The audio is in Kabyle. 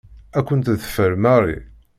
Ad ken-teḍfer Mary.